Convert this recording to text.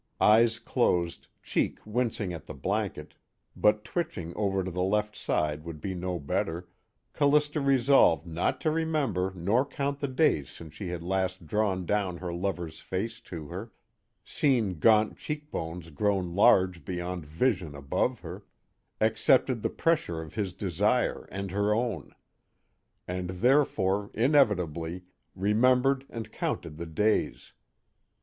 _ Eyes closed, cheek wincing at the blanket but twitching over to the left side would be no better Callista resolved not to remember nor count the days since she had last drawn down her lover's face to her, seen gaunt cheekbones grown large beyond vision above her, accepted the pressure of his desire and her own. And therefore, inevitably, remembered and counted the days.